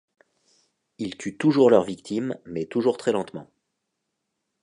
Ils tuent toujours leur victime, mais toujours très lentement.